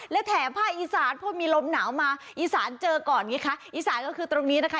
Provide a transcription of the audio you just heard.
และแถวผ้าอีสานพอมีลมหนาวมาอีสานเจอก่อนอีสานคือตรงนี้นะคะ